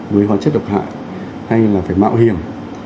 với hóa chất độc hại hay là phải mạo hiểm